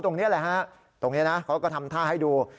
ตรงนี้แหละฮะตรงนี้นะเขาก็ทำท่าให้ดู